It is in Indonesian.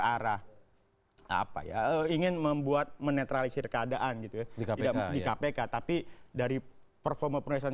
arah apa ya ingin membuat menetralisir keadaan gitu ya tidak di kpk tapi dari performa penulisan